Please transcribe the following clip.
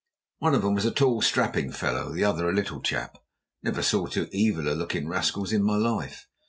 One of 'em was a tall strapping fellow, the other a little chap. I never saw two eviller looking rascals in my life.